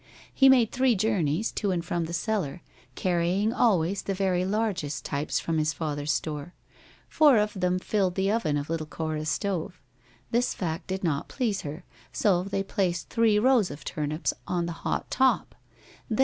He made three journeys to and from the cellar, carrying always the very largest types from his father's store. Four of them filled the oven of little Cora's stove. This fact did not please her, so they placed three rows of turnips on the hot top.